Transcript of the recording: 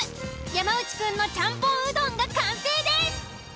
山内くんのちゃんぽんうどんが完成です！